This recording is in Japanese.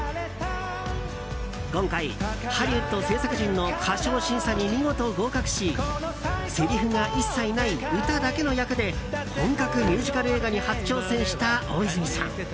今回、ハリウッド制作陣の歌唱審査に見事合格しせりふが一切ない歌だけの役で本格ミュージカル映画に初挑戦した大泉さん。